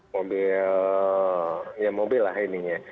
mobil ya mobil lah ininya